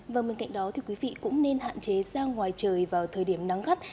và bên cạnh đó thì quý vị cũng nên hạn chế ra ngoài trời vào thời điểm nắng gắt